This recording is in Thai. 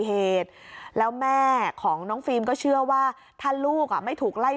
เหตุแล้วแม่ของน้องฟิล์มก็เชื่อว่าถ้าลูกอ่ะไม่ถูกไล่